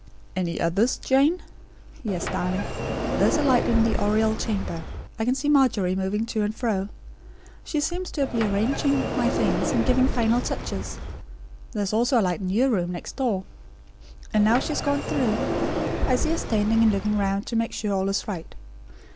"Any others, Jane?" "Yes, darling. There is a light in the Oriel chamber. I can see Margery moving to and fro. She seems to be arranging my things, and giving final touches. There is also a light in your room, next door. Ah, now she has gone through. I see her standing and looking round to make sure all is right.